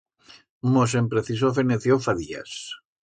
Mosen preciso feneció fa días.